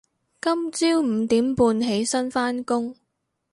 今朝五點半起身返工